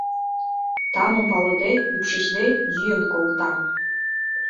Тамым палыде, ӱпшычде, йӱын колта.